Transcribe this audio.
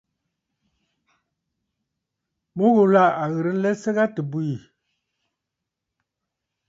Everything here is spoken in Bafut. Mu ghùlà à ghɨ̀rə nlɛsə gha tɨ bwiì.